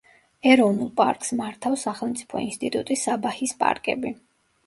ეროვნულ პარკს მართავს სახელმწიფო ინსტიტუტი „საბაჰის პარკები“.